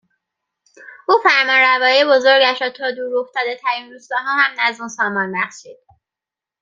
او فرمانروایی بزرگش را تا دورافتادهترین روستاها هم نظم و سامان بخشید